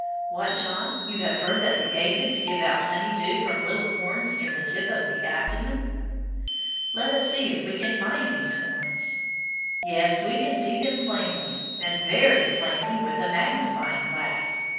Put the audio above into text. What, John, you have heard that the aphids give out honey dew from two little horns near the tip of the abdomen? Let us see if we can find these horns. Yes, we can see them plainly, and very plainly with a magnifying glass.